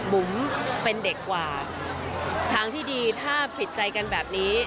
บุ๋มเป็นเด็กกว่าทางที่ดีถ้าผิดใจกันแบบนี้